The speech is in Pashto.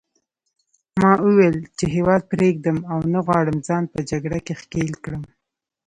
ما وویل چې هیواد پرېږدم او نه غواړم ځان په جګړه کې ښکېل کړم.